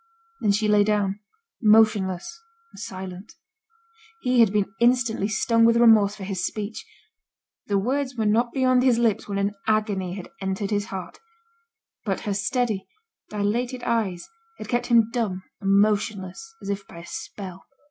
Then she lay down, motionless and silent. He had been instantly stung with remorse for his speech; the words were not beyond his lips when an agony had entered his heart; but her steady, dilated eyes had kept him dumb and motionless as if by a spell.